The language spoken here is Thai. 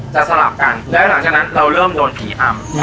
สลับกันแล้วหลังจากนั้นเราเริ่มโดนผีอำ